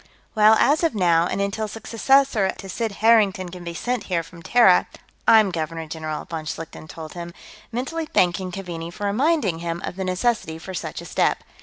"Well, as of now, and until a successor to Sid Harrington can be sent here from Terra, I'm Governor General," von Schlichten told him, mentally thanking Keaveney for reminding him of the necessity for such a step.